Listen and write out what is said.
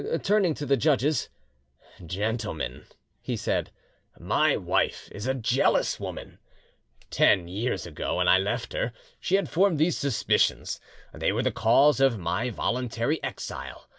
Turning to the judges— "Gentlemen," he said, "my wife is a jealous woman! Ten years ago, when I left her, she had formed these suspicions; they were the cause of my voluntary exile.